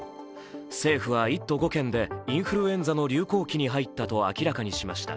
政府は１都５県でインフルエンザの流行期に入ったと明らかにしました。